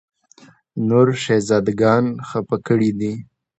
نور شهزاده ګان خپه کړي دي.